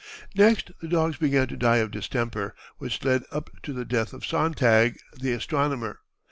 Next the dogs began to die of distemper, which led up to the death of Sontag, the astronomer.